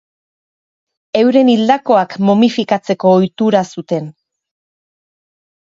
Euren hildakoak momifikatzeko ohitura zuten.